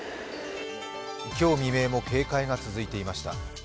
今日未明も警戒が続いていました。